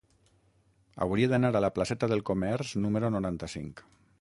Hauria d'anar a la placeta del Comerç número noranta-cinc.